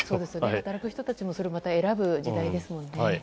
働く人たちもそれをまた選ぶ時代ですのでね。